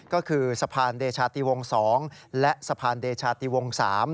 ก็คือสะพานเดชาติวง๒และสะพานเดชาติวง๓